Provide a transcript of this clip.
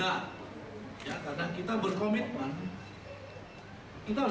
karena kita berkomitmen kita harus bersihkan